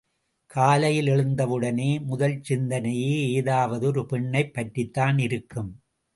காலையில் எழுந்தவுடனே முதல் சிந்தனையே ஏதாவது ஒரு பெண்ணைப் பற்றித்தான் இருக்கும்.